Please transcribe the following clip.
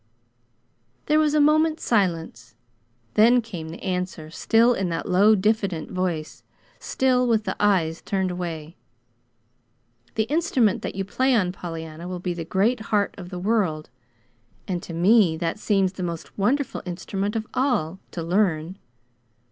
There was a moment's silence. Then came the answer, still in that low, diffident voice; still with the eyes turned away. "The instrument that you play on, Pollyanna, will be the great heart of the world; and to me that seems the most wonderful instrument of all to learn.